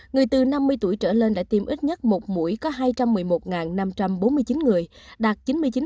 người từ năm mươi tuổi trở lên đã tiêm ít nhất một mũi có hai trăm một mươi một năm trăm bốn mươi chín người đạt chín mươi chín